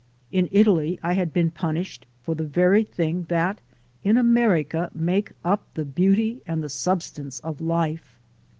In Italy I had been pun ished for the very thing that in America make up the beauty and the substance of life.